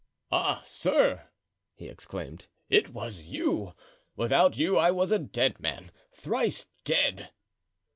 "Ah, sir," he exclaimed, "it was you! Without you I was a dead man—thrice dead."